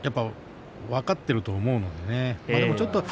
分かっていると思うんですね。